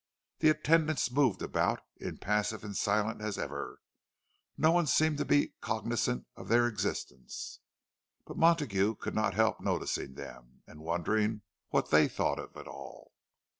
The attendants moved about, impassive and silent as ever; no one else seemed to be cognizant of their existence, but Montague could not help noticing them, and wondering what they thought of it all.